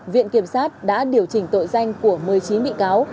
viện kiểm sát đã điều chỉnh tội danh của một mươi chín bị cáo